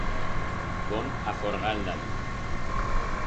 Vom a forgar el dallo.